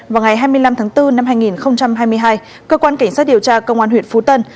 vào ngày hai mươi năm tháng bốn năm hai nghìn hai mươi hai cơ quan cảnh sát điều tra công an huyện phú tân